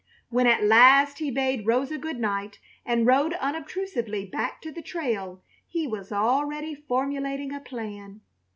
When at last he bade Rosa good night and rode unobtrusively back to the trail he was already formulating a plan.